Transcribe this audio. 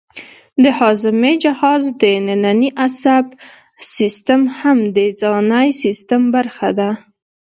د هاضمې جهاز دنننی عصبي سیستم هم د ځانی سیستم برخه ده